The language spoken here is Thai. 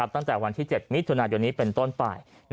ตั้งแต่วันที่๗มิถุนัดวันนี้เป็นต้นป่าย